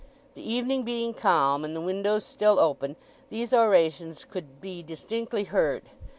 The evening being calm, and the windows still open, these orations could be distinctly heard.